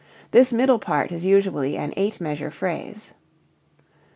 This middle part is usually an eight measure phrase.